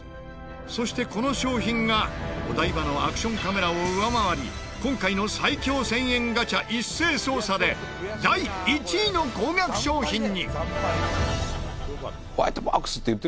そしてこの商品がお台場のアクションカメラを上回り今回の最強１０００円ガチャ一斉捜査で第１位の高額商品に。